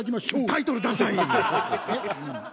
タイトルダサい！